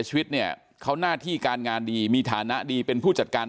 ชีวิตเนี่ยเขาหน้าที่การงานดีมีฐานะดีเป็นผู้จัดการ